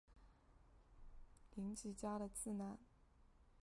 绫崎家的次男。